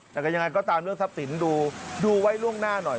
แต่ก็ยังไงก็ตามเรื่องทรัพย์สินดูไว้ล่วงหน้าหน่อย